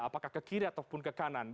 apakah ke kiri ataupun ke kanan